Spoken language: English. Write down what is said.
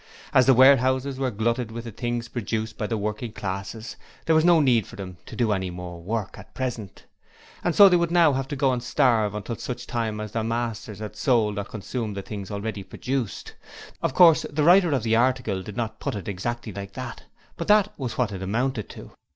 'As the warehouses were glutted with the things produced by the working classes, there was no need for them to do any more work at present; and so they would now have to go and starve until such time as their masters had sold or consumed the things already produced.' Of course, the writer of the article did not put it exactly like that, but that was what it amounted to.